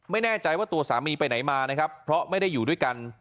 ไม่แน่ใจว่าตัวสามีไปไหนมานะครับเพราะไม่ได้อยู่ด้วยกัน